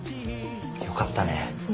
よかったね。